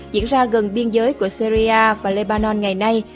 diễn ra gần biên giới của syria và leban ngày nay